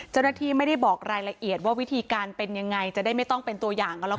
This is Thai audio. เจ้าหน้าที่ไม่ได้บอกรายละเอียดว่าวิธีการเป็นยังไงจะได้ไม่ต้องเป็นตัวอย่างกันแล้วกัน